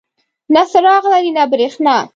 نه څراغ لري نه بریښنا.